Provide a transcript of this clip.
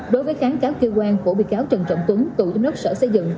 đối với kháng cáo kêu quan của bị cáo trần trọng tuấn tù trong nước sở xây dựng